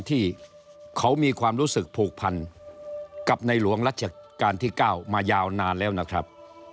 ที่เขามีความรู้สึกผูกพันกับในหลวงรัชกาลที่๙มายาวนานแล้วนะครับ